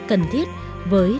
của thiên tai